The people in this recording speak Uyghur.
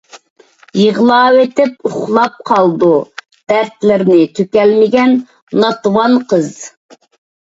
يىغلاۋىتىپ ئۇخلاپ قالىدۇ دەرىتلىرنى تۈكەلمىگەن ناتىۋان قىز